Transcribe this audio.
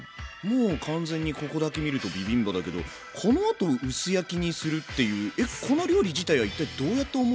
もう完全にここだけ見るとビビンバだけどこのあと薄焼きにするっていうえっこの料理自体は一体どうやって思いついたの？